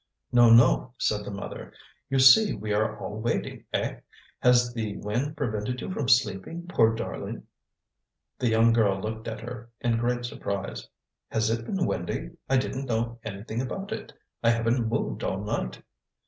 "No, no!" said the mother; "you see we are all waiting. Eh? has the wind prevented you from sleeping, poor darling?" The young girl looked at her in great surprise. "Has it been windy? I didn't know anything about it. I haven't moved all night."